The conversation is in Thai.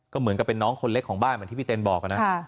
ก็เหมือนกับเป็นน้องคนเล็กของบ้านเหมือนที่พี่เต้นบอกนะ